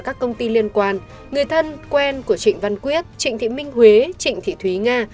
các công ty liên quan người thân quen của trịnh văn quyết trịnh thị minh huế trịnh thị thúy nga